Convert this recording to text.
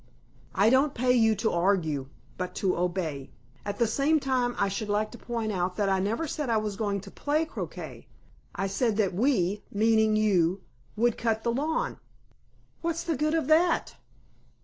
"I don't pay you to argue, but to obey. At the same time I should like to point out that I never said I was going to play croquet. I said that we, meaning you, would cut the lawn." "What's the good of that?"